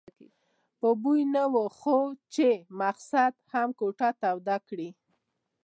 په بوی نه وو خو چې مسخد هم کوټه توده کړي.